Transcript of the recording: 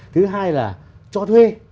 thứ hai là cho thuê